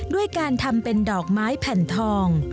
ด้วยการทำเป็นดอกไม้แผ่นทอง